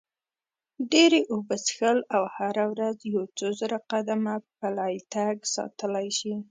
ډېرې اوبه څښل او هره ورځ یو څو زره قدمه پلی تګ ساتلی شي.